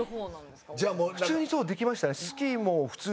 普通にできましたね。